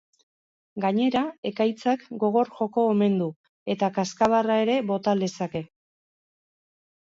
Gainera, ekaitzak gogor joko omen du, eta kazkabarra ere bota lezake.